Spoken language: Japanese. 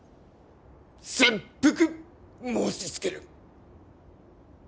切腹申しつける。